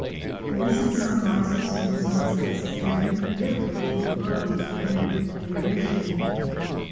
The recent sunrises and sunsets then differ from others in duration.